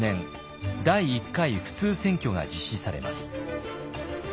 第一回普通選挙が実施されます。